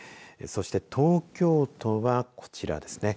そして、東京都はこちらですね。